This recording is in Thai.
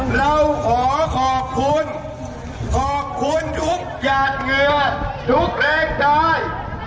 เราขอขอบคุณขอบคุณทุกหยาดเหงื่อทุกแรงตาย